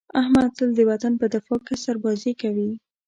احمد تل د وطن په دفاع کې سربازي کوي.